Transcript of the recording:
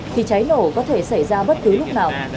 thì cháy nổ có thể xảy ra bất cứ lúc nào